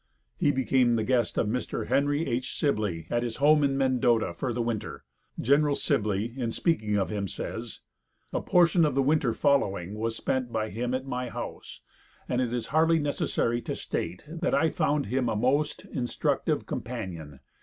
He became the guest of Mr. Henry H. Sibley at his home in Mendota for the winter. General Sibley, in speaking of him, says: "A portion of the winter following was spent by him at my house, and it is hardly necessary to state that I found in him a most instructive companion.